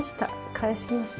返しました。